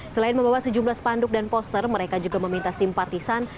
selain membawa sejumlah spanduk dan poster mereka juga meminta simpatisan